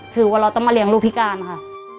คือว่าเราต้องมาเลี้ยงลูกพิการค่ะ